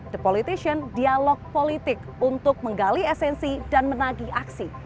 the politician dialog politik untuk menggali esensi dan menagi aksi